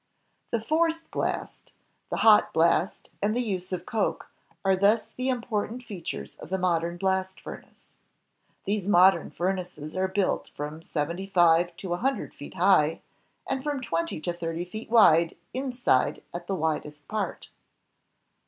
The forced blast, the hot blast, and the use of coke are thus the important features of the modern blast furnace. These modern furnaces are built from seventy five to a hundred feet high, and from twenty to thirty feet wide inside at the widest part.